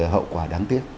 hậu quả đáng tiếc